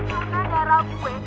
karena darah gue